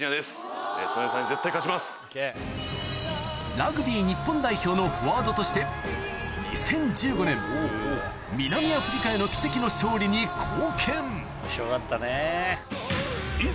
ラグビー日本代表のフォワードとして２０１５年南アフリカへの奇跡の勝利に貢献おもしろかったね。